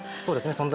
そうですね。